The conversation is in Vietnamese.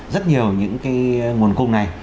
rất nhiều những cái nguồn cung này